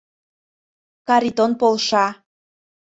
Каритон полша.